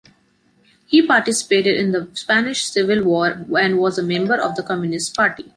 He participated in the Spanish Civil War and was a member of the Communist Party.